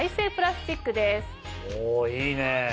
おいいねぇ。